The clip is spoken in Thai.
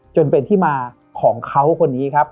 จนเป็นที่มาของเขาคนนี้ครับ